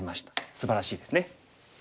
すばらしいですね。